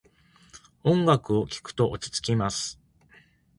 この音楽を聴くと落ち着きます。